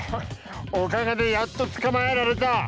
おかげでやっとつかまえられた。